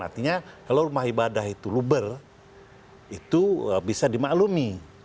artinya kalau rumah ibadah itu luber itu bisa dimaklumi